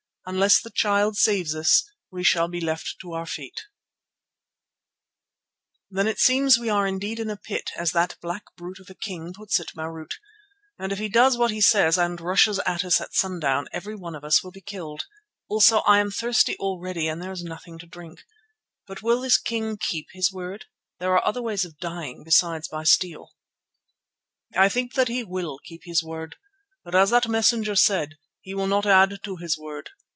Unless the Child saves us we shall be left to our fate." "Then it seems that we are indeed in a pit, as that black brute of a king puts it, Marût, and if he does what he says and rushes us at sundown, everyone of us will be killed. Also I am thirsty already and there is nothing to drink. But will this king keep his word? There are other ways of dying besides by steel." "I think that he will keep his word, but as that messenger said, he will not add to his word.